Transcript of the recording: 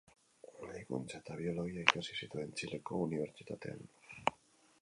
Medikuntza eta biologia ikasi zituen Txileko unibertsitatean.